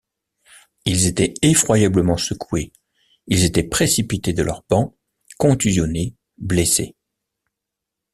Ils étaient effroyablement secoués, ils étaient précipités de leurs bancs, contusionnés, blessés.